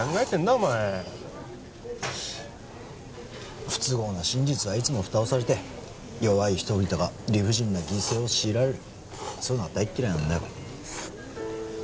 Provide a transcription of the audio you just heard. お前不都合な真実はいつも蓋をされて弱い人々が理不尽な犠牲を強いられるそういうのが大嫌いなんだよ